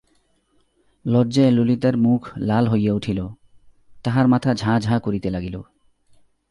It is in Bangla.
লজ্জায় ললিতার মুখ লাল হইয়া উঠিল, তাহার মাথা ঝাঁ ঝাঁ করিতে লাগিল।